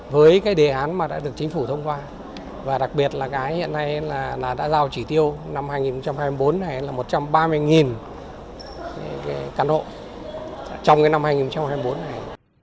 với cái đề án mà đã được chính phủ thông qua và đặc biệt là cái hiện nay là đã giao chỉ tiêu năm hai nghìn hai mươi bốn này là một trăm ba mươi căn hộ trong cái năm hai nghìn hai mươi bốn này